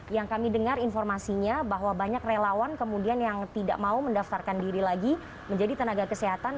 yang kami dengar informasinya bahwa banyak relawan kemudian yang tidak mau mendaftarkan diri lagi menjadi tenaga kesehatan